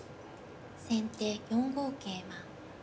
先手４五桂馬。